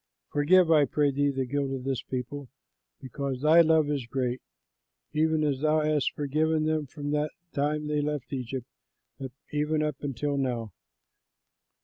Forgive, I pray thee, the guilt of this people, because thy love is great, even as thou hast forgiven them from the time they left Egypt even until now."